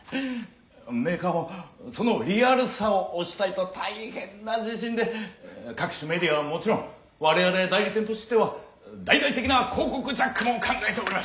メーカーもその「リアル」さを押したいと大変な自信で各種メディアはもちろん我々代理店としては大々的な広告ジャックも考えております。